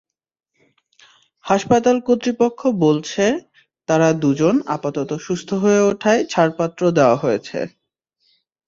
হাসপাতাল কর্তৃপক্ষ বলছে, তাঁরা দুজন আপাতত সুস্থ হয়ে ওঠায় ছাড়পত্র দেওয়া হয়েছে।